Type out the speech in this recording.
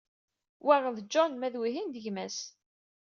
Wa d John, ma d wihin d gma-s.